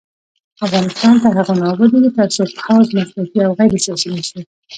افغانستان تر هغو نه ابادیږي، ترڅو پوځ مسلکي او غیر سیاسي نشي.